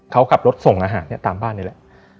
เขาขับรถส่งอาหารตามบ้านนี่แหละ